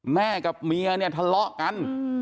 แม่กับเมียเนี่ยทะเลาะกัน